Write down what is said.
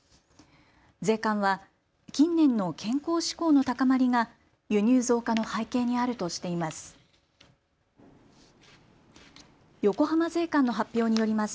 税関は近年の健康志向の高まりが輸入増加の背景にあるとしています。